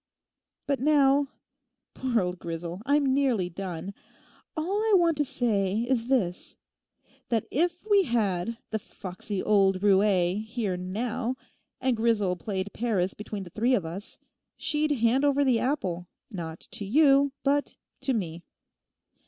But now (poor old Grisel, I'm nearly done) all I want to say is this: that if we had the "foxy old roué" here now, and Grisel played Paris between the three of us, she'd hand over the apple not to you but to me.